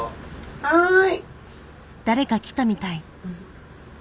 はい。